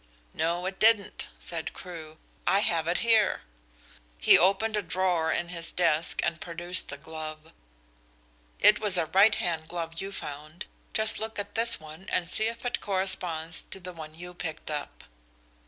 "No, it didn't," said Crewe. "I have it here." He opened a drawer in his desk and produced a glove. "It was a right hand glove you found. Just look at this one and see if it corresponds to the one you picked up."